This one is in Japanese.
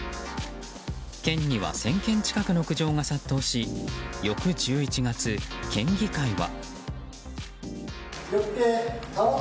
県には１０００件近くの苦情が殺到し翌１１月、県議会は。